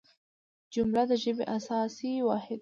جمله د ژبي اساسي واحد دئ.